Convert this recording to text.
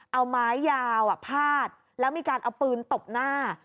เอาไม้ยาวพาดแล้วมีการเอาปืนตบหน้า